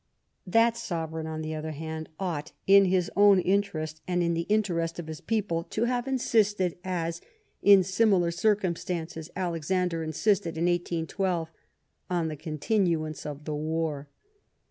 That sovereign, on the other hand, ought, in his own interest and in the interest of his people, to have insisted, as, in similar circumstances, Alexander insisted in 1812, on the continuance of the war.